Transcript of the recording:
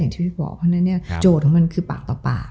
ที่พี่บอกเพราะฉะนั้นเนี่ยโจทย์ของมันคือปากต่อปาก